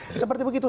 jadi seperti begitu